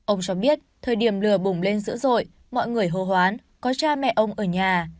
ông cho biết thời điểm lửa bùng lên dữ dội mọi người hô hoán có cha mẹ ông ở nhà